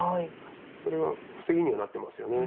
それが防ぎにはなってますよね。